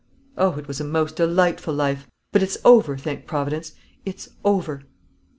Oh, it was a most delightful life; but it's over, thank Providence; it's over!"